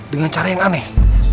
dengan cara yang aneh